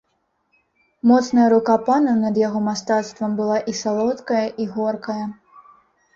Моцная рука пана над яго мастацтвам была і салодкая і горкая.